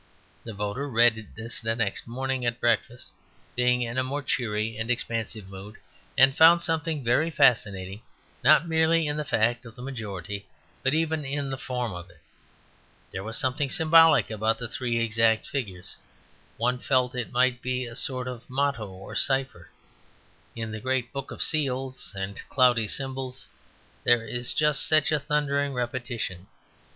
The voter read this next morning at breakfast, being in a more cheery and expansive mood, and found something very fascinating not merely in the fact of the majority, but even in the form of it. There was something symbolic about the three exact figures; one felt it might be a sort of motto or cipher. In the great book of seals and cloudy symbols there is just such a thundering repetition.